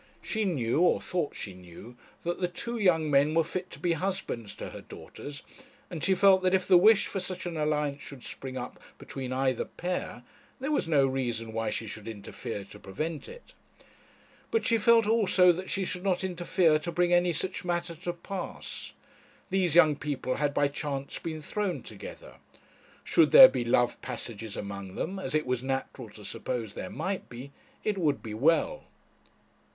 She knew, or thought she knew, that the two young men were fit to be husbands to her daughters, and she felt that if the wish for such an alliance should spring up between either pair, there was no reason why she should interfere to prevent it. But she felt also that she should not interfere to bring any such matter to pass. These young people had by chance been thrown together. Should there be love passages among them, as it was natural to suppose there might be, it would be well.